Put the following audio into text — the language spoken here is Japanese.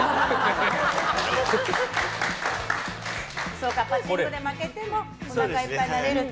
そうか、パチンコで負けてもおなかいっぱいになれると。